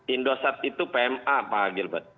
indosat itu pma pak gilbert